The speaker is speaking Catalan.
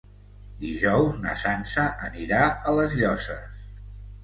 Dijous na Sança anirà a les Llosses.